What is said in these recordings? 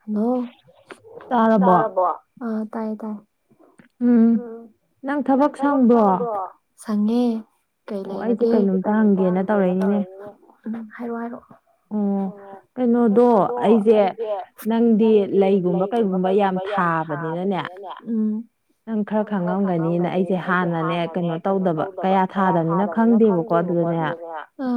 hello ꯇꯔꯕ ꯑꯥ ꯇꯥꯏꯌꯦ ꯇꯥꯏ ꯎꯝ ꯅꯪ ꯊꯕꯛ ꯁꯪꯕ꯭ꯔꯣ ꯁꯉꯦ ꯀꯩ ꯂꯩꯔꯒꯦꯁ ꯀꯩꯣꯝꯇ ꯍꯪꯒꯦꯅ ꯇꯧꯔꯦꯅꯦ ꯍꯥꯏꯔꯛꯑꯣ ꯍꯥꯏꯔꯛꯑꯣ ꯑꯣꯣꯗꯣ ꯑꯣ ꯑꯩꯁꯦ ꯅꯪꯗꯤ ꯂꯩꯒꯨꯝꯕ ꯀꯩꯒꯨꯝꯕ ꯌꯥꯝ ꯊꯥꯕꯅꯤꯅꯅꯦ ꯅꯪ ꯈꯔ ꯈꯪꯉꯝꯒꯅꯤꯅ ꯑꯩꯁꯦ ꯍꯥꯟꯅꯅꯦ ꯀꯩꯅꯣ ꯇꯧꯗꯕ ꯀꯌꯥ ꯊꯗꯕꯅꯤꯅ ꯈꯪꯗꯦꯕꯀꯣ ꯑꯗꯨꯗꯅꯦ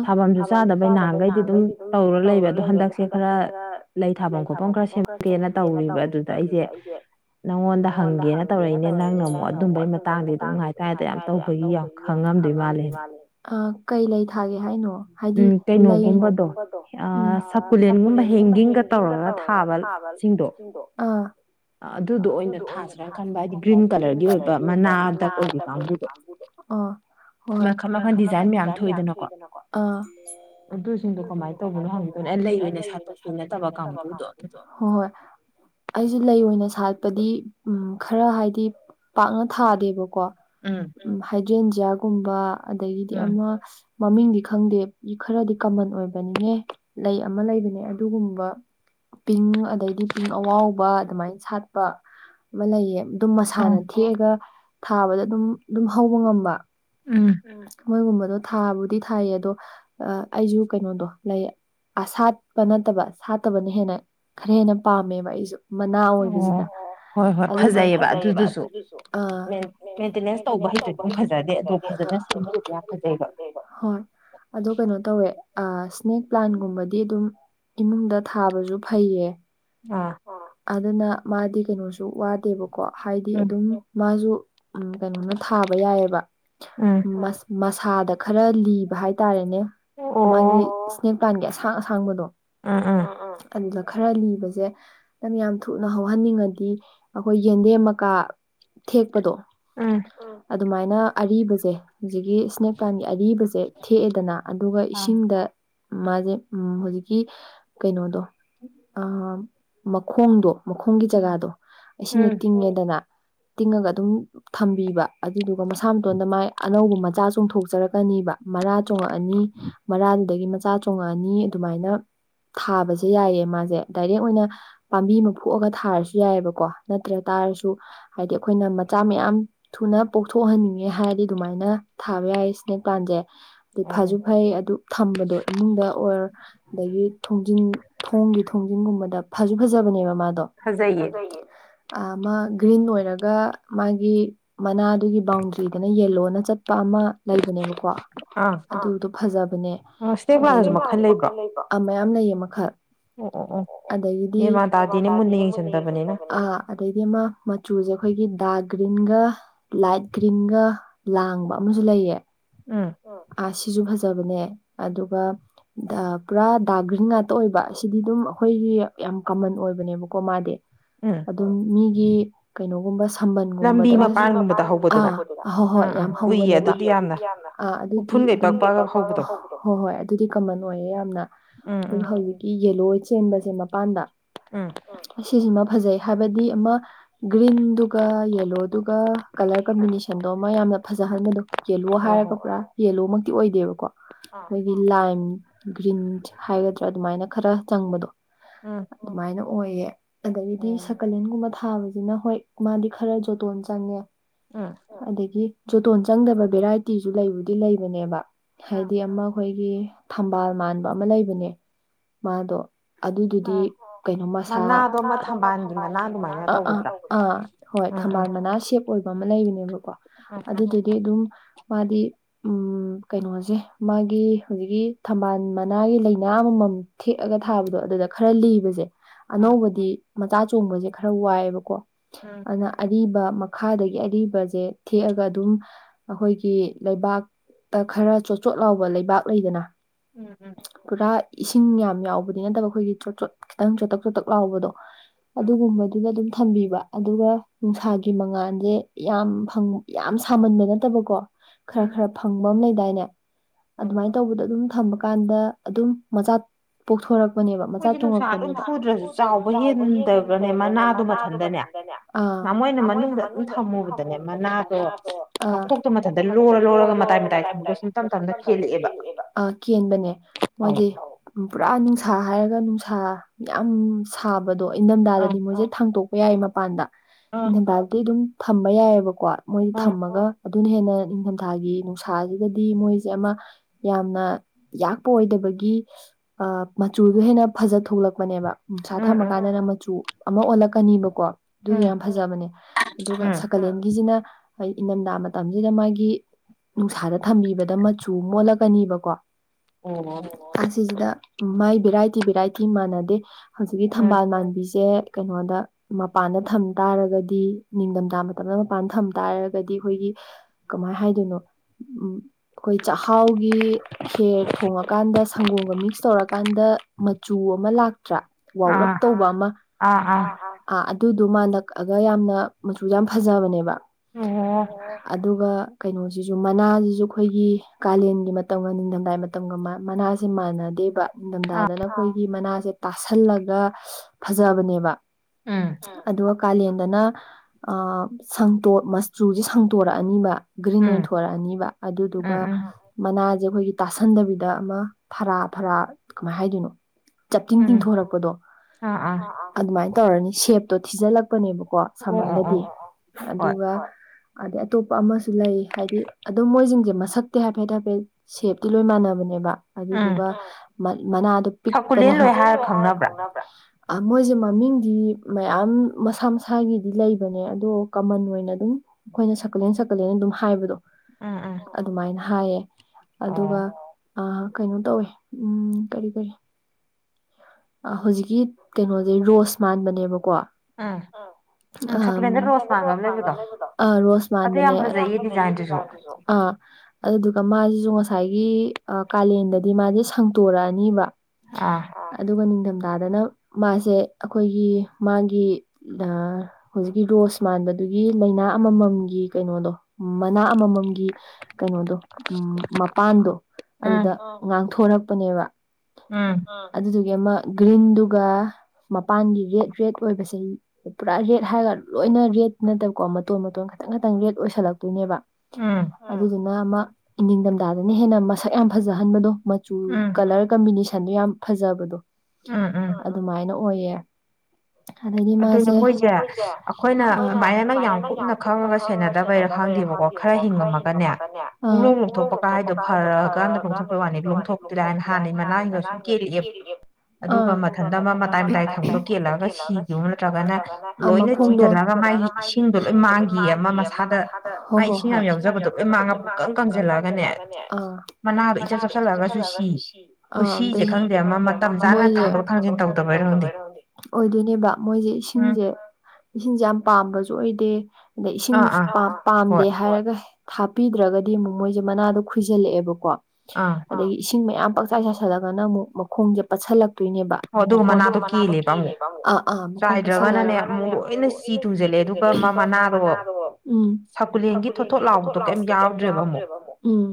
ꯊꯥꯐꯝꯁꯨ ꯆꯥꯗꯕꯩ ꯅꯍꯥꯟꯈꯩꯗꯤ ꯑꯗꯨꯝ ꯇꯧꯔ ꯂꯩꯕ ꯑꯗꯣ ꯍꯟꯗꯛꯁꯦ ꯈꯔ ꯁꯦ ꯈꯔ ꯂꯩ ꯊꯥꯐꯝ ꯈꯣꯠꯐꯝ ꯈꯔ ꯁꯦꯝꯠꯇꯦꯅ ꯇꯧꯕ ꯑꯗꯨꯗ ꯑꯩꯁꯦ ꯅꯪꯉꯣꯟꯗ ꯍꯪꯒꯦꯅ ꯇꯧꯔꯛꯏꯅꯦ ꯅꯪꯅ ꯑꯃꯨꯛ ꯑꯗꯨꯝꯕꯒꯤ ꯃꯇꯥꯡꯗꯤ ꯑꯗꯨꯝ ꯉꯥꯏꯇꯥꯔꯦ ꯌꯥꯝ ꯇꯧꯕꯒꯤ ꯌꯥꯎ ꯈꯪꯉꯝꯗꯣꯏ ꯃꯥꯂꯦ ꯑ ꯀꯩ ꯂꯩ ꯊꯥꯒꯦ ꯍꯥꯏꯅꯣ ꯍꯥꯏꯗꯤ ꯂꯩꯕꯗꯣ ꯎ ꯁꯀꯨꯂꯦꯟꯒꯨꯝꯕ ꯍꯦꯡꯒꯤꯡꯒ ꯇꯧꯔꯒ ꯊꯥꯕ ꯁꯤꯡꯗꯣ ꯑꯗꯨꯗꯣ ꯑꯣꯏꯅ ꯊꯥꯁꯤ꯭ꯔꯅ ꯈꯟꯕ ꯍꯥꯏꯗꯤ ꯒ꯭ꯔꯤꯟ ꯀꯂꯔꯒꯤ ꯑꯣꯏꯕ ꯃꯅꯥꯗꯛ ꯑꯣꯏꯒ ꯀꯥꯡꯕꯨꯗꯣ [unintelligible] ꯍꯣꯏ ꯃꯈꯟ ꯃꯈꯟ ꯗꯤꯖꯥꯏꯟ ꯃꯌꯥꯝ ꯁꯨꯏꯗꯅꯀꯣ ꯑꯗꯨꯁꯤꯡꯗꯣ ꯀꯃꯥꯏꯅ ꯇꯧꯕꯅꯣ ꯍꯪꯗꯣꯏꯅꯦ ꯂꯩ ꯑꯣꯏꯅ ꯁꯥꯠꯇꯣꯛꯄꯤ ꯅꯠꯇꯕ ꯀꯥꯡꯕꯨꯗꯣ ꯑꯗꯨꯗ ꯍꯣꯏ ꯍꯣꯏ ꯑꯩꯁꯦ ꯂꯩ ꯑꯣꯏꯅ ꯁꯥꯠꯄꯗꯤ ꯎ ꯈꯔ ꯍꯥꯏꯗꯤ ꯄꯥꯛꯅ ꯊꯥꯗꯦꯕꯀꯣ ꯎꯝ ꯍꯥꯏꯗ꯭ꯔꯦꯟꯖꯤꯌꯥꯒꯨꯝꯕ ꯑꯗꯒꯤꯗꯤ ꯑꯃ ꯃꯃꯤꯡꯗꯤ ꯈꯪꯗꯦ ꯈꯔꯗꯤ ꯀꯃꯟ ꯑꯣꯏꯕꯅꯤꯅꯦ ꯂꯩ ꯑꯃ ꯂꯩꯕꯅꯦ ꯑꯗꯨꯒꯨꯝꯕ ꯄꯤꯡ ꯑꯗꯩꯗꯤ ꯄꯤꯡ ꯑꯋꯥꯥꯎꯕ ꯑꯗꯨꯃꯥꯏꯅ ꯁꯥꯠꯄ ꯑꯃ ꯂꯩꯌꯦ ꯑꯗꯨꯝ ꯃꯁꯥꯅ ꯊꯦꯛꯑꯒ ꯊꯥꯕꯗ ꯑꯗꯨꯝ ꯑꯗꯨꯝ ꯍꯧꯕ ꯉꯝꯕ ꯎꯝ ꯎ ꯃꯣꯏꯒꯨꯝꯕꯗꯣ ꯊꯥꯕꯨꯗꯤ ꯊꯥꯏꯌꯦ ꯑꯗꯣ ꯑꯩꯁꯨ ꯀꯩꯅꯣꯗꯣ ꯂꯩ ꯑꯁꯥꯠꯄ ꯅꯠꯇꯕ ꯁꯥꯠꯇꯕꯅ ꯍꯦꯟꯅ ꯈꯔ ꯍꯦꯟꯅ ꯄꯥꯝꯃꯦꯕ ꯑꯩꯁꯨ ꯃꯅꯥ ꯑꯣꯏꯕꯁꯤꯅ ꯑꯗꯨ ꯐꯖꯩꯌꯦꯕ ꯑꯗꯨꯗꯨꯁꯨ ꯃꯦꯟꯇꯦꯅꯁ ꯇꯧꯕ ꯍꯧꯇꯔꯁꯨ ꯑꯗꯨꯝ ꯐꯖꯔꯦ [unintelligible] ꯑꯗꯣ ꯀꯩꯅꯣ ꯇꯧꯋꯦ ꯁ꯭ꯅꯦꯛ ꯄ꯭ꯂꯥꯟꯒꯨꯝꯕꯗꯤ ꯑꯗꯨꯝ ꯏꯃꯨꯡꯗ ꯊꯥꯕꯁꯨ ꯐꯩꯌꯦ ꯑ ꯑꯗꯨꯅ ꯃꯥꯗꯤ ꯀꯩꯅꯣꯁꯨ ꯋꯥꯗꯦꯕꯀꯣ ꯍꯥꯏꯗꯤ ꯑꯗꯨꯝ ꯃꯥꯁꯨ ꯀꯩꯅꯣꯅ ꯊꯥꯕ ꯌꯥꯏꯌꯦꯕ ꯃꯁꯥꯗ ꯈꯔ ꯂꯤꯕ ꯍꯥꯏꯇꯥꯔꯦꯅꯦ ꯃꯥꯒꯤ ꯏꯁꯅꯦꯛ ꯭ꯄꯂꯥꯟꯒꯤ ꯑꯁꯥꯡ ꯑꯁꯥꯡꯕꯗꯣ ꯑꯥ ꯑꯥ ꯑꯗꯨꯗ ꯈꯔ ꯂꯤꯕꯁꯦ ꯈꯤꯇꯪ ꯌꯥꯝ ꯊꯨꯅ ꯍꯧꯍꯟꯅꯤꯡꯉꯗꯤ ꯑꯩꯈꯣꯏ ꯌꯦꯟꯗꯦꯝ ꯃꯀꯥ ꯊꯦꯛꯄꯗꯣ ꯑꯗꯨꯃꯥꯏꯅ ꯑꯔꯤꯕꯁꯦ ꯍꯧꯖꯤꯛꯀꯤ ꯏꯁꯅꯦꯛ ꯄ꯭ꯂꯥꯟꯒꯤ ꯑꯔꯤꯕꯁꯦ ꯊꯦꯛꯑꯦꯗꯅ ꯑꯗꯨꯒ ꯏꯁꯤꯡꯗ ꯃꯥꯁꯦ ꯍꯧꯖꯤꯛꯀꯤ ꯀꯩꯅꯣꯗꯣ ꯃꯈꯣꯡꯗꯣ ꯃꯈꯣꯡꯒꯤ ꯖꯒꯥꯗꯣ ꯏꯁꯤꯡꯗ ꯇꯤꯡꯉꯦꯗꯅ ꯇꯤꯡꯉꯒ ꯑꯗꯨꯝ ꯊꯝꯕꯤꯕ ꯑꯗꯨꯗꯨꯒ ꯃꯁꯥ ꯃꯇꯣꯟꯗ ꯃꯥꯏ ꯑꯅꯧꯕ ꯃꯆꯥ ꯆꯣꯡꯊꯣꯛꯆꯔꯛꯀꯅꯤꯕ ꯃꯔꯥ ꯆꯣꯡꯉꯛꯑꯅꯤ ꯃꯔꯥꯗꯨꯗꯒꯤ ꯃꯆꯥ ꯋꯥꯅꯤ ꯑꯗꯨꯃꯥꯏꯅ ꯊꯥꯕꯁꯦ ꯌꯥꯏꯌꯦ ꯃꯥꯁꯦ ꯗꯥꯏꯔꯦꯛ ꯑꯣꯏꯅ ꯄꯥꯝꯕꯤ ꯑꯃ ꯐꯨꯛꯑꯒ ꯊꯥꯔꯁꯨ ꯌꯥꯏꯑꯕꯀꯣ ꯅꯠꯇ꯭ꯔ ꯇꯥꯔꯁꯨ ꯍꯥꯏꯗꯤ ꯑꯩꯈꯣꯏꯅ ꯃꯆꯥ ꯃꯌꯥꯝ ꯊꯨꯅ ꯄꯣꯛꯊꯣꯛꯍꯟꯅꯤꯡꯉꯦ ꯍꯥꯏꯔꯗꯤ ꯑꯗꯨꯃꯥꯏꯅ ꯊꯥꯕ ꯌꯥꯏ ꯏꯁꯅꯦꯛ ꯄ꯭ꯂꯥꯟꯁꯦ ꯐꯁꯨ ꯐꯩ ꯑꯗꯨ ꯊꯝꯕꯗꯣ ꯏꯃꯨꯡꯗ ꯑꯣꯔ ꯑꯗꯒꯤ ꯊꯣꯡꯖꯤꯟ ꯊꯣꯡꯒꯤ ꯊꯣꯡꯖꯤꯟꯒꯨꯝꯕꯗ ꯐꯁꯨ ꯐꯖꯕꯅꯦꯕ ꯃꯥꯗꯣ ꯐꯖꯌꯦ ꯑꯃ ꯒ꯭ꯔꯤꯟ ꯑꯣꯏꯔꯒ ꯃꯥꯒꯤ ꯃꯅꯥꯗꯨꯒꯤ ꯕꯥꯎꯟꯗ꯭ꯔꯤꯗꯅ ꯌꯦꯂꯣꯅ ꯆꯠ ꯑꯇꯣꯞꯄꯥ ꯑꯃ ꯂꯩꯕꯅꯦꯕꯀꯣ ꯑꯗꯨꯗꯣ ꯐꯖꯕꯅꯦ ꯑꯗꯒꯤ ꯑ ꯃꯌꯥꯝ ꯂꯩꯌꯦ ꯃꯈꯜ ꯑꯣ ꯑꯣ ꯑꯣ ꯃꯦꯟꯃꯥꯟ ꯇꯥꯗꯦꯅꯦ ꯃꯨꯟꯅ ꯌꯦꯡꯁꯟꯗꯕꯅꯤꯅ ꯑ ꯑꯗꯩꯗꯤ ꯑꯃ ꯃꯆꯨꯁꯦ ꯑꯩꯈꯣꯏꯒꯤ ꯑꯃꯥ ꯗꯥꯛ ꯒ꯭ꯔꯤꯟꯒ ꯂꯥꯏꯠ ꯒ꯭ꯔꯤꯟꯒ ꯂꯥꯡꯕ ꯑꯃꯁꯨ ꯂꯩꯌꯦ ꯎ ꯑ ꯁꯤꯁꯨ ꯐꯖꯕꯅꯦ ꯑꯗꯨꯒ ꯄꯨꯔꯥ ꯗꯥꯔ ꯒ꯭ꯔꯤꯟ ꯉꯥꯛꯇ ꯑꯣꯏꯕ ꯁꯤꯗꯤ ꯑꯗꯨꯝ ꯑꯩꯈꯣꯏꯒꯤ ꯌꯥꯝ ꯀꯃꯟ ꯑꯣꯏꯕꯅꯦꯕꯀꯣ ꯃꯥꯗꯤ ꯑꯗꯨꯝ ꯃꯤꯒꯤ ꯀꯩꯅꯣꯒꯨꯝꯕ ꯁꯝꯕꯟꯒꯨꯝꯕꯗ ꯑꯥ ꯑ ꯍꯣꯏ ꯍꯣꯏ ꯌꯥꯝ ꯍꯧꯕꯅꯦꯕ ꯑꯗꯨꯗꯤ ꯑꯗꯨꯝ ꯍꯣꯏ ꯍꯣꯏ ꯑꯗꯨꯗꯤ ꯀꯃꯟ ꯑꯣꯏꯌꯦ ꯌꯥꯝꯅ ꯑꯗꯨꯒ ꯑꯗꯒꯤ ꯌꯦꯂꯣ ꯆꯦꯟꯕꯁꯦ ꯃꯄꯥꯟꯗ ꯎꯝ ꯁꯤꯁꯤꯃ ꯐꯖꯩ ꯍꯥꯏꯕꯗꯤ ꯑꯃ ꯒ꯭ꯔꯤꯟꯗꯨꯒ ꯌꯦꯂꯣꯗꯨꯒ ꯀꯂꯔ ꯀꯝꯕꯤꯅꯦꯁꯟꯗꯣ ꯑꯃ ꯌꯥꯝꯅ ꯐꯖꯍꯟꯕꯗꯣ ꯌꯦꯂꯣ ꯍꯥꯏꯔꯒ ꯄꯨꯔꯥ ꯌꯦꯂꯣꯃꯛꯇꯤ ꯑꯣꯏꯗꯦꯕꯀꯣ ꯑꯩꯈꯣꯏꯒꯤ ꯂꯥꯏꯝ ꯒ꯭ꯔꯤꯟꯁ ꯍꯥꯏꯒꯗ꯭ꯔꯥ ꯑꯗꯨꯃꯥꯏꯅ ꯈꯔ ꯆꯪꯕꯗꯣ ꯎꯝ ꯑꯗꯨꯃꯥꯏꯅ ꯑꯣꯏꯌꯦ ꯑꯗꯒꯤꯗꯤ ꯁꯀꯀꯂꯦꯟꯒꯨꯝꯕ ꯊ ꯊꯥꯕꯁꯤꯅ ꯍꯣꯏ ꯃꯥꯗꯤ ꯈꯔ ꯖꯣꯇꯣꯟ ꯆꯪꯉꯦ ꯑꯥ ꯑꯗꯒꯤ ꯖꯣꯇꯣꯟ ꯆꯪꯗꯕ ꯚꯦꯔꯥꯏꯇꯤꯁꯨ ꯂꯩꯕꯨꯗꯤ ꯂꯩꯕꯅꯦꯕ ꯍꯥꯏꯗꯤ ꯑꯃ ꯑꯩꯈꯣꯏꯒꯤ ꯊꯝꯕꯥꯜ ꯃꯥꯟꯕ ꯑꯃ ꯂꯩꯕꯅꯦ ꯃꯥꯗꯣ ꯑꯗꯨꯗꯨꯗꯤ ꯀꯩꯅꯣ ꯃꯁꯥ [unintelligible] [unintelligible] ꯑ ꯑ ꯑꯥ ꯍꯣꯏ ꯊꯝꯕꯥꯜ ꯃꯅꯥ ꯁꯦꯞ ꯑꯣꯏꯕ ꯑꯃ ꯂꯩꯕꯅꯦꯕꯀꯣ ꯑꯗꯨꯗꯨꯗꯤ ꯑꯗꯨꯝ ꯃꯥꯗꯤ ꯎꯝ ꯀꯩꯅꯣꯁꯦ ꯃꯥꯒꯤ ꯍꯧꯖꯤꯛꯀꯤ ꯊꯝꯕꯥꯜ ꯃꯅꯥꯒꯤ ꯂꯩꯥꯅꯥ ꯑꯃꯃꯝ ꯊꯦꯛꯑꯒ ꯊꯥꯕꯗꯣ ꯑꯗꯨꯗ ꯈꯔ ꯂꯤꯕꯁꯦ ꯑꯅꯧꯕꯗꯤ ꯃꯆꯥ ꯆꯣꯡꯕꯁꯦ ꯈꯔ ꯋꯥꯏꯑꯕꯀꯣ ꯎꯝ ꯑꯗꯨꯅ ꯑꯔꯤꯕ ꯃꯈꯥꯗꯒꯤ ꯑꯔꯤꯕꯁꯦ ꯊꯦꯛꯑꯒ ꯑꯗꯨꯝ ꯑꯩꯈꯣꯏꯒꯤ ꯒꯤ ꯂꯩꯕꯥꯛꯇ ꯈꯔ ꯆꯣꯠ ꯆꯣꯠ ꯂꯥꯎꯕ ꯂꯩꯕꯥꯛ ꯂꯩꯗꯅ ꯎꯝ ꯎꯝ ꯄꯨꯔꯥ ꯏꯁꯤꯡ ꯌꯥꯝ ꯌꯥꯎꯕꯗꯤ ꯅꯠꯇꯕ ꯑꯩꯈꯣꯏꯒꯤ ꯆꯣꯠ ꯆꯣꯠ ꯈꯤꯇꯪ ꯆꯣꯇꯛ ꯆꯣꯠꯇꯛ ꯂꯥꯎꯕꯗꯣ ꯑꯗꯨꯒꯨꯝꯕꯗꯨꯅ ꯑꯗꯨꯝ ꯊꯝꯕꯤꯕ ꯑꯗꯨꯒ ꯅꯨꯡꯁꯥꯒꯤ ꯃꯉꯥꯜꯁꯦ ꯌꯥꯝ ꯐꯪ ꯌꯥꯝ ꯁꯥꯃꯟꯕ ꯅꯠꯇꯕꯀꯣ ꯈꯔ ꯈꯔ ꯐꯪꯕ ꯑꯃ ꯂꯩꯗꯥꯏꯅꯦ ꯑꯗꯨꯃꯥꯏꯅ ꯇꯧꯕ ꯑꯗꯨꯝ ꯊꯝꯕ ꯀꯥꯟꯗ ꯑꯗꯨꯝ ꯃꯆꯥ ꯄꯣꯛꯊꯣꯔꯛꯄꯅꯦꯕ ꯃꯆꯥ ꯆꯣꯡꯉꯛꯄꯅꯦꯕ [unintelligible] ꯆꯥꯎꯕ ꯍꯦꯟꯗꯕ꯭ꯔꯅꯦ ꯃꯅꯥꯗꯣ ꯃꯊꯟꯗꯅꯦ ꯑ ꯃ ꯃꯣꯏꯅ ꯃꯅꯨꯡꯗ ꯑꯗꯨꯝ ꯊꯝꯃꯨꯕꯗꯅꯦ ꯃꯅꯥꯗꯣ ꯑ ꯀꯣꯛꯄ ꯃꯇꯝꯗ ꯂꯣꯔ ꯂꯣꯏꯔꯒ ꯃꯇꯥꯏ ꯃꯇꯥꯏꯗꯗ [unintelligible] ꯇꯝꯅ ꯀꯦꯜꯂꯛꯑꯦꯕ ꯑ ꯀꯦꯟꯕꯅꯦ ꯃꯣꯏꯗꯤ ꯄꯨꯔꯥ ꯅꯨꯡꯁꯥ ꯍꯥꯏꯔꯒ ꯅꯨꯡꯁꯥ ꯌꯥꯝ ꯁꯥꯕꯗꯣ ꯏꯪꯊꯝꯊꯥꯗꯗꯤ ꯃꯣꯏꯁꯦ ꯊꯥꯡꯇꯣꯛꯄ ꯌꯥꯏ ꯃꯄꯥꯟꯗ ꯏꯟꯊꯝꯊꯥꯗꯗꯤ ꯑꯗꯨꯝ ꯊꯝꯕ ꯌꯥꯏꯑꯕꯀꯣ ꯃꯣꯏꯁꯤ ꯊꯝꯃꯒ ꯑꯗꯨꯅ ꯍꯦꯟꯅ ꯅꯤꯡꯊꯝꯊꯥꯒꯤ ꯅꯨꯡꯁꯥꯁꯤꯗꯗꯤ ꯃꯣꯏꯁꯦ ꯑꯃ ꯌꯥꯝꯅ ꯌꯥꯛꯄ ꯑꯣꯏꯗꯕꯒꯤ ꯑ ꯃꯆꯨꯗꯣ ꯍꯦꯟꯅ ꯐꯖ ꯊꯣꯛꯣꯂꯛꯄꯅꯦꯕ ꯅꯨꯡꯁꯥ ꯊꯝꯃꯀꯥꯟꯗꯅ ꯃꯆꯨ ꯑꯃ ꯑꯣꯜꯂꯛꯀꯅꯤꯕꯀꯣ ꯑꯗꯨꯗꯣ ꯌꯥꯝ ꯐꯖꯕꯅꯦ ꯑꯗꯨꯒ ꯁꯀꯂꯦꯟꯒꯤꯁꯤꯅ ꯑꯩ ꯏꯪꯗꯝꯗꯥ ꯃꯇꯝꯁꯤꯗ ꯃꯥꯒꯤ ꯅꯨꯡꯁꯥꯗ ꯊꯝꯕꯤꯕꯗ ꯃꯆꯨ ꯑꯃ ꯑꯣꯟꯂꯛꯀꯅꯤꯕꯀꯣ ꯑꯣ ꯑꯁꯤꯁꯤꯗ ꯃꯥꯏ ꯚꯦꯔꯥꯏꯇꯤ ꯚꯦꯔꯥꯏꯇꯤ ꯃꯥꯟꯅꯗꯦ ꯍꯧꯖꯤꯛꯀꯤ ꯊꯝꯕꯥꯜ ꯃꯥꯟꯕꯤꯁꯦ ꯀꯩꯅꯣꯗ ꯃꯄꯥꯟꯗ ꯊꯝ ꯇꯥꯔꯒꯗꯤ ꯅꯤꯡꯊꯝꯊꯥ ꯃꯇꯝꯗ ꯃꯄꯥꯟꯗ ꯊꯝ ꯇꯥꯔꯒꯗꯤ ꯑꯩꯈꯣꯏꯒꯤ ꯀꯃꯥꯏꯅ ꯍꯥꯏꯗꯣꯏꯅꯣ ꯑꯩꯈꯣꯏ ꯆꯥꯛꯍꯥꯎꯒꯤ ꯈꯦꯔ ꯊꯣꯡꯉꯀꯥꯟꯗ ꯁꯪꯒꯣꯝꯒ ꯃꯤꯛꯁ ꯇꯧꯔꯀꯥꯟꯗ ꯃꯆꯨ ꯑꯃ ꯂꯥꯛꯇ꯭ꯔꯥ ꯋꯥꯎꯔꯞ ꯇꯧꯕ ꯑꯃ ꯑꯥ ꯑꯥ ꯥ ꯑꯗꯨꯗꯣ ꯃꯥꯜꯂꯛꯑꯒ ꯌꯥꯝꯅ ꯃꯆꯨꯗꯣ ꯌꯥꯝ ꯐꯖꯕꯅꯦꯕ [unintelligible] ꯑꯗꯨꯒ ꯀꯩꯅꯣꯁꯤꯁꯨ ꯃꯅꯥꯁꯤꯁꯨ ꯑꯩꯈꯣꯏꯒꯤ ꯀꯥꯂꯦꯟꯒꯤ ꯃꯇꯝꯒ ꯅꯤꯡꯊꯝꯗꯥꯏ ꯃꯇ ꯇꯝꯒ ꯃ ꯃꯅꯥꯁꯦ ꯃꯥꯟꯅꯗꯦꯕ ꯅꯤꯡꯊꯝꯊꯥꯗꯅ ꯑꯩꯈꯣꯏꯒꯤ ꯃꯅꯥꯁꯦ ꯇꯥꯁꯜꯂꯒ ꯐꯖꯕꯅꯦꯕ ꯑꯗꯨꯒ ꯀꯥꯂꯦꯟꯗꯅ ꯑ ꯁꯪꯇꯣꯠ ꯃꯆꯨꯁꯦ ꯁꯪ ꯇꯣꯔꯛꯑꯅꯤꯕ ꯒ꯭ꯔꯤꯟ ꯑꯣꯏꯊꯣꯔꯛꯑꯅꯤꯕ ꯑꯗꯨꯗꯨꯒ ꯃꯅꯥꯁꯦ ꯑꯩꯈꯣꯏꯒꯤ ꯇꯥꯁꯟꯗꯕꯤꯗ ꯑꯃ ꯐꯔꯥ ꯐꯔꯥ ꯀꯃꯥꯏꯅ ꯍꯥꯏꯗꯣꯏꯅꯣ ꯆꯞꯇꯤꯡ ꯇꯤꯡꯊꯣꯔꯛꯄꯗꯣ ꯑꯗꯨꯃꯥꯏꯅ ꯇꯧꯔꯅꯤ ꯁꯦꯞꯇꯣ ꯊꯤꯖꯤꯜꯂꯛꯄꯅꯦꯕꯀꯣ ꯁꯝꯃꯔꯗꯗꯤ ꯑꯗꯨꯒ ꯑꯗꯩ ꯑꯇꯣꯞꯄ ꯑꯃꯁꯨ ꯂꯩ ꯍꯥꯏꯗꯤ ꯑꯗꯨꯝ ꯃꯣꯏꯁꯤꯡꯁꯦ ꯃꯁꯛꯇꯤ ꯍꯥꯏꯐꯦꯠ ꯍꯥꯏꯐꯦꯠ ꯁꯦꯞꯇꯤ ꯂꯣꯏ ꯃꯥꯟꯅꯕꯅꯦꯕ ꯑꯗꯨꯗꯨꯒ ꯃꯅꯥꯗꯣ ꯄꯤꯛꯄꯅꯦ [unintelligible] ꯈꯪꯅꯕ꯭ꯔꯥ ꯑ ꯃꯣꯏꯖꯦ ꯃꯃꯤꯡꯗꯤ ꯃꯌꯥꯝ ꯃꯁꯥ ꯃꯁꯥꯒꯤꯗꯤ ꯂꯩꯕꯅꯦ ꯑꯗꯣ ꯀꯃꯟ ꯑꯣꯏꯅ ꯑꯗꯨꯝ ꯑꯩꯈꯣꯏꯅ ꯁꯛꯀꯂꯦꯟ ꯁꯛꯀꯂꯦꯟ ꯗꯨꯝ ꯍꯥꯏꯕꯗꯣ ꯎꯝ ꯎꯝ ꯑꯗꯨꯃꯥꯏꯟ ꯍꯥꯏꯌꯦ ꯑꯗꯨꯒ ꯑꯥ ꯀꯩꯅꯣ ꯇꯧꯋꯦ ꯎꯝ ꯀꯔꯤ ꯀꯔꯤ ꯑ ꯍꯧꯖꯤꯛꯀꯤ ꯀꯩꯅꯣꯖꯦ ꯔꯣꯁ ꯃꯥꯟꯕꯅꯦꯕꯀꯣ ꯎꯝ ꯑꯍꯝ ꯁꯀꯨꯂꯦꯟꯗ ꯔꯣꯁ ꯃꯥꯟꯕꯑꯝ ꯂꯩꯕꯗꯣ ꯑ ꯔꯣꯁ ꯃꯥꯟꯕꯅꯦ ꯑꯗꯨ ꯌꯥꯝ ꯐꯖꯩ ꯗꯨꯖꯥꯏꯟꯗꯖꯨ ꯑꯥ ꯑꯗꯨꯗꯨꯒ ꯃꯥꯖꯤꯖꯨ ꯉꯁꯥꯏꯒꯤ ꯑ ꯀꯥꯂꯦꯟꯗꯗꯤ ꯃꯥꯖꯦ ꯁꯪꯇꯣꯔꯛꯑꯅꯤꯕ ꯑꯥ ꯑꯗꯨꯒ ꯅꯤꯡꯗꯝꯗꯥꯗꯅ ꯃꯥꯁꯦ ꯑꯈꯣꯏꯒꯤ ꯃꯥꯒꯤ ꯑ ꯍꯧꯖꯤꯛꯀꯤ ꯔꯣꯁ ꯃꯥꯟꯕꯗꯨꯒꯤ ꯂꯩꯅꯥ ꯑꯃꯃꯝꯒꯤ ꯀꯩꯅꯣꯗꯣ ꯃꯅꯥ ꯑꯃꯃꯝꯒꯤ ꯀꯩꯅꯣꯗꯣ ꯎꯝ ꯃꯄꯥꯟꯗꯣ ꯑꯗꯨꯗ ꯉꯥꯡꯊꯣꯔꯛꯄꯅꯦꯋ ꯎꯝ ꯑꯗꯨꯗꯨꯒꯤ ꯑꯃ ꯒ꯭ꯔꯤꯟꯗꯨꯒ ꯃꯄꯥꯟꯒꯤ ꯔꯦꯗ ꯔꯦꯗ ꯑꯣꯏꯕꯁ꯭ꯦꯌ ꯄꯨꯔꯥ ꯔꯦꯠ ꯍꯥꯏꯒꯥ ꯂꯣꯏꯅ ꯔꯦꯠ ꯅꯠꯇ꯭ꯕꯀꯣ ꯃꯇꯣꯟ ꯃꯇꯣꯟ ꯈꯇꯪ ꯈꯇꯪ ꯔꯦꯠ ꯑꯣꯏꯁꯜꯂꯛꯇꯣꯏꯅꯦꯕ ꯑꯗꯨꯗꯨꯅ ꯑꯃ ꯏꯅꯤꯡꯗꯝꯗꯥꯗꯅ ꯍꯦꯟꯅ ꯃꯁꯛ ꯌꯥꯝ ꯐꯖꯍꯟꯕꯗꯣ ꯃꯠ ꯆꯨ ꯀꯂ꯭ꯔ ꯀꯝꯕꯤꯅꯦꯁꯟꯗꯣ ꯌꯥꯝ ꯐꯖꯕꯗꯣ ꯑꯗꯨꯃꯥꯏꯅ ꯑꯣꯏꯌꯦ ꯑꯗꯨꯅ ꯃꯣꯏꯖꯦ ꯑꯈꯣꯏꯅ ꯑꯃꯥꯏꯅ ꯌꯥꯝ ꯀꯨꯞꯅ ꯈꯪꯉꯒ ꯁꯦꯟꯅꯗꯕꯩꯔ ꯈꯪꯗꯦꯕꯀꯣ ꯈꯔ ꯍꯤꯡꯉꯝꯃꯒꯅꯦ ꯄꯨꯡꯂꯣꯡ ꯂꯣꯡꯊꯣꯛꯄ ꯀ ꯍꯥꯏꯗꯣ ꯐꯔꯑꯀꯥꯟꯗ ꯂꯣꯡꯊꯣꯛꯄꯩ ꯋꯥꯅꯦ ꯂꯣꯡꯊꯣꯛ ꯇꯨꯗꯍꯦꯟ ꯍꯥꯟꯅꯩ ꯃꯅꯥꯍꯤꯡꯗꯣ ꯁꯨꯝ ꯀꯦꯂꯦꯛꯑꯦꯚ ꯏꯔꯤꯖꯦ ꯑ ꯑꯗꯨꯒ ꯃꯊꯟꯇ ꯑꯃ ꯃꯇꯥꯏ ꯃꯇꯥꯏ ꯈꯨꯡꯇꯨ ꯀꯦꯜꯂꯥꯒ ꯁꯤꯗꯣ ꯅꯠꯇ꯭ꯔꯒꯅ ꯑ ꯃꯈꯣꯡꯗꯣ [unintelligible] ꯃꯥꯏꯌꯤ ꯏꯁꯤꯡꯗꯣ ꯂꯣꯏ ꯃꯥꯡꯒꯤ ꯑꯃ ꯃꯁꯥ ꯇ ꯍꯣ ꯍꯣ ꯍꯣꯏ ꯑꯩ ꯏꯁꯤꯡ ꯌꯥꯝ ꯌꯥꯎꯖꯕꯗꯣ ꯂꯣꯏ ꯃꯥꯡꯉ ꯄꯨꯨꯀꯪ ꯀꯪꯖꯤꯜꯂꯑꯒꯅꯦ ꯑꯥ ꯃꯅꯥꯒ ꯏꯆꯞ ꯆꯞꯁꯤꯜꯂꯛꯑꯒ ꯁꯤ ꯁꯤ ꯑꯥ ꯑꯝꯇ ꯌꯦ ꯁꯤ ꯀꯦ ꯈꯪꯗꯦ ꯑꯃ [unintelligible] ꯃꯣꯏꯒꯤ ꯊꯥꯡꯗꯣꯛ ꯊꯥꯡꯖꯤꯟ ꯇꯧꯗꯕꯩꯔꯥ ꯈꯪꯗꯦ ꯑꯣꯏꯗꯣꯏꯅꯦꯕ ꯃꯣꯏꯖꯦ ꯏꯁꯤꯡꯖꯦ ꯏꯁꯤꯡꯖꯦ ꯌꯥꯝ ꯄꯥꯝꯕꯁꯨ ꯑꯣꯏꯗꯦ ꯑꯗꯩ ꯏꯁꯤꯡ ꯁꯨ ꯑ ꯄꯥꯝ ꯑ ꯄꯥꯝꯗꯦ ꯍꯥꯏꯔꯒ ꯍꯦ ꯍꯥꯥꯞꯄꯤꯗ꯭ꯔꯒꯗꯤ ꯃꯨ ꯃꯣꯏꯖꯦ ꯃꯅꯥꯗꯣ ꯈꯨꯏꯖꯤꯜꯂꯦꯑꯦꯕꯀꯣ ꯑꯥ ꯑꯗꯒꯤ ꯏꯁꯤꯡ ꯃꯌꯥꯝ ꯄꯪꯆꯥꯏ ꯆꯥꯏꯁꯤꯜꯂꯒꯅ ꯃꯨꯛ ꯃꯈꯣꯡꯖꯦ ꯄꯠꯁꯤꯜꯂꯛꯇꯣꯏꯅꯦꯕ ꯃꯈꯣꯟꯗꯨ ꯃꯅꯥꯗꯣ ꯀꯦꯜꯂꯦꯕ ꯑꯃꯨꯛ ꯑ ꯑ ꯃꯈꯣꯡ ꯄꯠꯁꯜꯂꯑꯒ ꯆꯥꯎꯗ꯭ꯔꯒꯅꯥꯅꯦ ꯑꯃꯨꯛ ꯂꯣꯏ ꯑꯩ ꯅꯨꯡꯁꯤ ꯊꯨꯡꯖꯜꯂꯦꯕ ꯃ ꯃꯅꯥꯗꯣ ꯎꯝ ꯁꯀꯨꯂꯦꯟꯒꯤ ꯊꯣꯊꯣꯠ ꯂꯥꯎꯕꯗꯣ ꯀꯩꯝ ꯌꯥꯎꯗ꯭ꯔꯦꯕ ꯑꯃꯣꯛ ꯎꯝ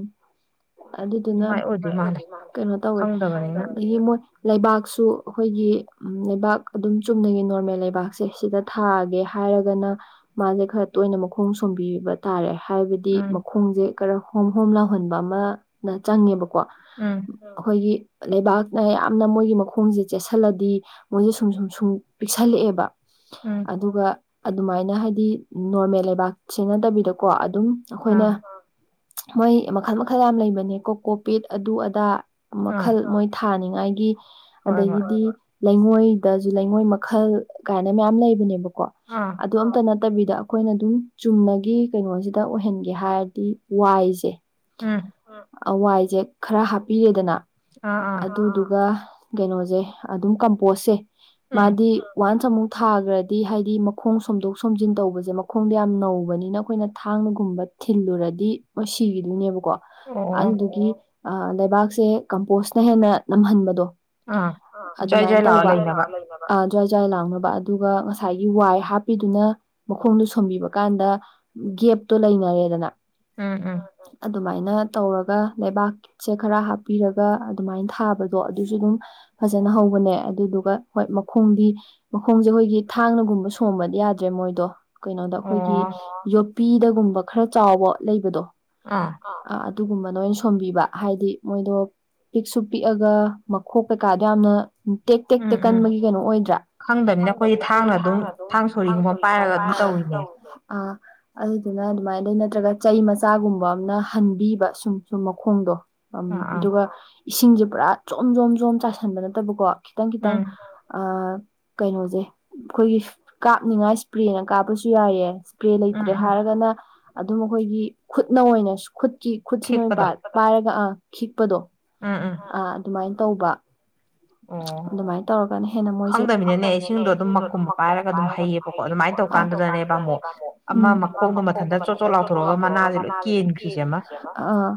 ꯑꯗꯨꯗꯨꯅ ꯀꯩ ꯑꯣꯏꯗꯣꯏ ꯃꯥꯜꯂꯤ ꯀꯩꯅꯣ ꯇꯧꯋꯦ ꯈꯪꯗꯕ ꯑꯗꯒꯤ ꯃꯣꯏ ꯂꯩꯕꯥꯛꯁꯨ ꯑꯈꯣꯏꯒꯤ ꯎꯝ ꯂꯩꯕꯥꯛ ꯑꯗꯨꯝ ꯆꯨꯝꯅꯉꯤ ꯅꯣꯔꯃꯦꯜ ꯂꯩꯕꯥꯛꯁꯦ ꯁꯤꯗ ꯊꯥꯒꯦ ꯍꯥꯏꯔꯒꯅ ꯃꯥꯖꯦ ꯈꯔ ꯇꯣꯏꯅ ꯃꯈꯣꯡ ꯁꯣꯝꯕꯤ ꯕ ꯇꯥꯔꯦ ꯍꯥꯏꯕꯗꯤ ꯃꯈꯣꯡꯖꯦ ꯈꯔ ꯍꯣꯝ ꯍꯣꯝ ꯂꯥꯎꯍꯟꯕ ꯑꯃ ꯅ ꯆꯪꯉꯦꯕꯀꯣ ꯎꯝ ꯑꯈꯣꯏꯒꯤ ꯂꯩꯕꯥꯛꯅ ꯌꯥꯝꯅ ꯃꯣꯏꯒꯤ ꯃꯈꯨꯝꯖꯦ ꯆꯦꯠꯁꯤꯜꯂꯗꯤ ꯃꯣꯏꯖꯦ ꯁꯨꯝ ꯁꯨꯝ ꯁꯨꯝ ꯄꯤꯛꯁꯜꯂꯥꯑꯦꯕ ꯎꯝ ꯑꯗꯨꯒ ꯑꯗꯨꯃꯥꯏꯅ ꯍꯥꯏꯗꯤ ꯅ꯭ꯣꯔꯃꯦꯜ ꯂꯩꯕꯥꯛ ꯁꯤ ꯅꯠꯇꯕꯤꯗꯀꯣ ꯑꯗꯨꯝ ꯑꯈꯣꯏꯅ ꯑ ꯃꯣꯏ ꯃꯈꯜ ꯃꯈꯜ ꯌꯥꯝ ꯂꯩꯕꯅꯦ ꯀꯣꯀꯣ ꯄꯤꯠ ꯑꯗꯨ ꯑꯗꯥ ꯈꯜ ꯃꯣꯏ ꯊꯥꯅꯤꯡꯉꯥꯏꯒꯤ ꯑꯗꯒꯤꯗꯤ ꯂꯩꯉꯣꯏꯗꯖꯨ ꯂꯩꯉꯣꯏ ꯃꯈꯜ ꯀꯥꯏꯅ ꯃꯌꯥꯝ ꯂꯩꯕꯅꯦꯕꯀꯣ ꯑ꯭ꯗ__ ꯇꯨ ꯑꯝꯇ ꯅꯠꯇꯕꯤꯗ ꯑꯈꯣꯏꯅ ꯑꯗꯨꯝ ꯆꯨꯝꯅꯥꯒꯤ ꯀꯩꯅꯣꯖꯤꯗ ꯑꯣꯏꯍꯟꯒꯦ ꯍꯥꯏꯔꯗꯤ ꯋꯥꯏꯁꯦ ꯎꯝ ꯑ ꯑ ꯋꯥꯏꯖꯦ ꯈꯔ ꯍꯥꯞꯄꯤꯔꯦꯗꯅ ꯑꯗꯨꯗꯨꯒ ꯒꯩꯅꯣꯖꯦ ꯑꯗꯨꯝ ꯀꯝꯄ꯭ꯣꯁꯁꯦ ꯃꯥꯗꯤ ꯋꯥꯟꯁ ꯑꯃꯨꯛ ꯊꯥꯒ꯭ꯔꯥꯗꯤ ꯍꯥꯏꯗꯤ ꯃꯈꯣꯡ ꯁꯣꯝꯗꯣꯛ ꯁꯣꯝꯖꯤꯟ ꯇꯧꯕꯖꯦ ꯃꯈꯣꯡꯗꯣ ꯌꯥꯝ ꯅꯧꯕꯅꯤꯅ ꯑꯈꯣꯏꯅ ꯊꯥꯡꯅꯒꯨꯝꯕ ꯊꯤꯜꯂꯨꯔꯗꯤ ꯃꯣꯏ ꯁꯤꯒꯤꯗꯣꯏꯅꯦꯕꯀꯣ ꯑꯗꯨꯒꯤ ꯂꯩꯕꯥꯛꯁꯦ ꯀꯝꯄꯣꯁꯅ ꯍꯦꯟꯅ ꯅꯝꯍꯟꯕꯗꯣ ꯑꯗꯨꯃꯥꯏꯅ ꯇꯧꯕ ꯑꯥ ꯖꯋꯥꯏ ꯖꯋꯥ ꯂꯥꯎꯅꯕ ꯑꯗꯨꯒ ꯉꯁꯥꯏꯒꯤ ꯋꯥꯏ ꯍꯥꯞꯄꯤꯗꯨꯅ ꯃꯈꯣꯡꯗꯨꯣ ꯁꯣꯝꯕꯤꯕ ꯀꯥꯟꯗ ꯒꯦꯞꯇꯣ ꯂꯩꯅꯔꯦꯗꯅ ꯑ ꯎ ꯑꯗꯨꯃꯥꯏꯅ ꯇꯧꯔꯒ ꯂꯩꯕꯥꯛꯁꯦ ꯈꯔ ꯍꯥꯞ ꯄꯤꯔꯒ ꯑꯗꯨꯃꯥꯏꯅ ꯊꯥꯕꯗꯣ ꯑꯗꯨꯁꯨ ꯑꯗꯨꯝ ꯐꯖꯅ ꯍꯧꯕꯅꯦ ꯑꯗꯨꯗꯨꯒ ꯍꯣꯏ ꯃꯈꯣꯡꯗꯤ ꯃꯈꯣꯡꯁꯦ ꯑꯩꯈꯣꯏꯒꯤ ꯊꯥꯡꯅꯒꯨꯝꯕ ꯁꯣꯝꯕꯗꯤ ꯌꯥꯗ꯭ꯔꯦ ꯃꯣꯏꯗꯣ ꯀꯩꯅꯣꯗ ꯑꯩꯈꯣꯏꯒꯤ ꯌꯣꯠꯄꯤꯗꯒꯨꯝꯕ ꯈꯔ ꯆꯥꯎꯕ ꯂꯩꯕꯗꯣ ꯑꯥ ꯑ ꯑꯗꯨꯒꯨꯝꯕ ꯅꯣꯏ ꯑꯣꯏꯅ ꯁꯣꯝꯕꯤꯕ ꯍꯥꯏꯗꯤ ꯃꯣꯏꯗꯣ ꯄꯤꯛꯁꯨ ꯄꯤꯛꯑꯒ ꯃꯈꯣꯛ ꯀꯩꯀꯥꯗꯣ ꯌꯥꯝꯅ ꯎ ꯇꯦꯛ ꯇꯦꯛ ꯇꯦꯛ ꯀꯟꯕꯒꯤ ꯀꯩꯅꯣ ꯑꯣꯏꯗ꯭ꯔꯥ ꯈꯪꯗꯅꯤꯅ ꯑꯩꯈꯣꯏꯗꯤ ꯊꯥꯡꯅ ꯑꯗꯨꯝ ꯊꯥꯡ ꯁꯣꯔꯤꯒꯨꯝꯕ ꯄꯥꯏꯔꯒ ꯑꯗꯨꯝ ꯇꯧꯔꯤꯅꯦ ꯑꯥ ꯑꯗꯨꯗꯨꯅ ꯑꯗꯨꯃꯥꯏꯅꯗ ꯅꯠꯇ꯭ꯔꯒ ꯆꯩ ꯃꯆꯥꯒꯨꯝꯕ ꯑꯝꯅ ꯍꯟꯕꯤꯕ ꯁꯨꯝ ꯁꯨꯝ ꯃꯈꯣꯡꯗꯣ ꯎꯝ ꯑꯗꯨꯒ ꯏꯁꯤꯡꯁꯦ ꯄꯨꯔꯥ ꯖꯣꯝ ꯖꯣꯝ ꯖꯣꯝ ꯆꯥꯏꯁꯤꯟꯕ ꯅꯠꯇꯕꯀꯣ ꯈꯤꯇꯪ ꯈꯤꯇꯪ ꯀꯩꯅꯣꯁꯦ ꯑꯩꯈꯣꯏꯒꯤ ꯀꯥꯞꯅꯤꯡꯉꯥꯏ ꯏꯁꯄ꯭ꯔꯦꯅ ꯀꯥꯞꯄꯁꯨ ꯌꯥꯏꯌꯦ ꯏꯁꯄ꯭ꯔꯦ ꯂꯩꯇ꯭ꯔꯦ ꯍꯥꯏꯔꯒꯅ ꯑꯗꯨꯝ ꯑꯩꯈꯣꯏꯒꯤ ꯈꯨꯠꯅ ꯑꯣꯏꯅ ꯈꯨꯠꯀꯤ ꯈꯨꯠꯁꯤꯅ ꯑꯣꯏꯅ ꯄꯥꯏꯔꯒ ꯑꯥ ꯈꯤꯛꯄꯗꯣ ꯎꯥ ꯎꯝ ꯑ ꯑꯗꯨꯃꯥꯏꯅ ꯇꯧꯕ ꯑꯗꯨꯃꯥꯏꯅ ꯇꯧꯔꯒꯅ ꯍꯦꯟꯅ ꯃꯣꯏꯁꯦ ꯐꯪꯗꯃꯤꯅꯅꯦ ꯏꯁꯤꯡꯗꯣ ꯑꯗꯨꯝ ꯃꯈꯨꯝ ꯄꯥꯏꯔꯒ ꯑꯗꯨꯝ ꯍꯩꯌꯦꯕꯀꯣ ꯑꯗꯨꯃꯥꯏꯅ ꯇꯧꯀꯥꯟꯗꯨꯗꯅꯦꯕꯕꯥꯥꯃꯣ ꯑꯃ ꯃꯈꯣꯛꯗꯨꯃ ꯍꯟꯇꯛ ꯆꯣꯠꯊꯣ ꯂꯥꯎꯊꯣꯔꯑꯒ ꯃꯅꯥꯒꯤꯗ ꯀꯦꯟ ꯑꯥ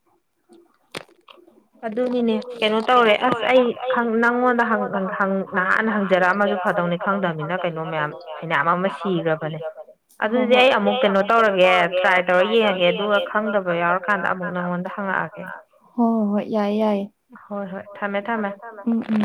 [unintelligible] ꯑꯗꯨꯅꯤꯅꯦ ꯀꯩꯅꯣ ꯇꯧꯔꯦ ꯑꯁ ꯑꯩ ꯅꯪꯉꯣꯟꯗ ꯅꯍꯥꯟꯅ ꯍꯪꯖꯔꯛꯑꯝꯃꯗꯨ ꯐꯗꯧꯅꯤ ꯐꯪꯗꯕꯅꯤꯅ ꯀꯩꯅꯣ ꯃꯌꯥꯝ ꯁꯤ ꯃꯌꯥꯝ ꯑꯃ ꯁꯤꯈ꯭ꯔꯕꯅꯦ ꯑꯗꯨꯗꯤ ꯑꯩ ꯑꯃꯨꯛ ꯀꯩꯅꯣ ꯇꯧꯔꯒꯦ ꯇ꯭ꯔꯥꯏ ꯇꯧꯔ ꯌꯦꯡꯒꯦ ꯑꯗꯨꯒ ꯈꯪꯗꯕ ꯌꯥꯎꯔꯀꯥꯟꯗ ꯑꯃꯨꯛ ꯅꯪꯉꯣꯟꯗ ꯍꯪꯉꯛꯑꯒꯦ ꯍꯣꯏ ꯍꯣꯏ ꯍꯣꯏ ꯌꯥꯏꯌꯦ ꯌꯥꯏꯦ ꯊꯃꯦ ꯊꯃꯦ ꯎꯝ ꯎꯝ